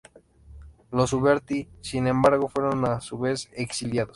Los Uberti, sin embargo, fueron a su vez exiliados.